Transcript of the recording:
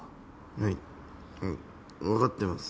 はいはいわかってます。